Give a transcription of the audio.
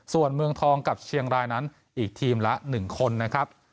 ส่วนเมืองทองกับเชียงรายนั้นอีกทีมละ๑คนนะครับ